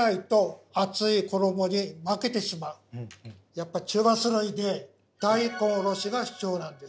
やっぱり中和する意味で大根おろしが必要なんです。